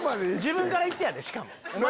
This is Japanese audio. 自分から行ってやでしかも。